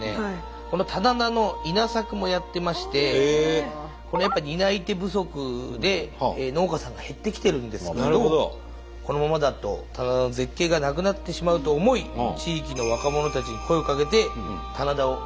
この棚田の稲作もやってましてやっぱ担い手不足で農家さんが減ってきてるんですけどこのままだと棚田の絶景がなくなってしまうと思い地域の若者たちに声をかけて棚田を守る活動をしてらっしゃる。